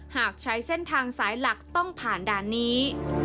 หากใช้เส้นทางสายหลักต้องผ่านด่านนี้